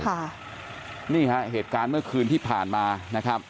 ค่ะนี่ฮะเหตุการณ์เมื่อคืนที่ผ่านมานะครับ